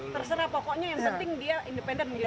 terserah pokoknya yang penting dia independen menjadi